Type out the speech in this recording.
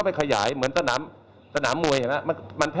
เพราะถือว่าคุณไม่มีความรับผิดชอบต่อสังคม